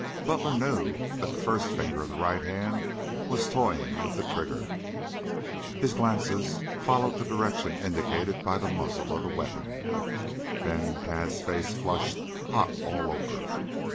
Butler knew that the first finger of the right hand was toying with the trigger. His glances followed the direction indicated by the muzzle of the weapon. Then Tad's face flushed hot all over.